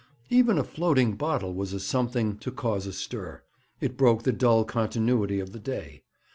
Even a floating bottle was a something to cause a stir. It broke the dull continuity of the day.